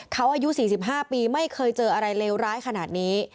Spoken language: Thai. เขาอายุ๔๕ปีไม่เคยเจออะไรเลวร้ายขนาดนี้